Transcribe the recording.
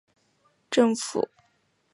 政府和国会共同握有立法权。